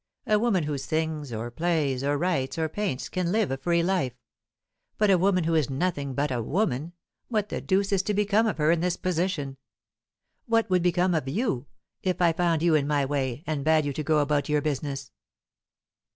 A woman who sings, or plays, or writes, or paints, can live a free life. But a woman who is nothing but a woman, what the deuce is to become of her in this position? What would become of you, if I found you in my way, and bade you go about your business?"